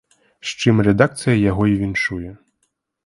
З чым рэдакцыя яго і віншуе!